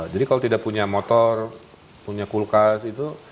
jadi kalau tidak punya motor punya kulkas itu